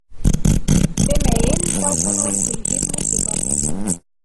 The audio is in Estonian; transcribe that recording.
Teme enda sõnul küll hirmus igav.